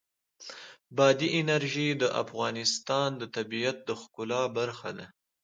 بادي انرژي د افغانستان د طبیعت د ښکلا برخه ده.